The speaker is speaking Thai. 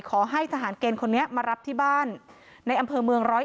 ขอให้ทหารเกณฑ์คนนี้มารับที่บ้านในอำเภอเมือง๑๐๑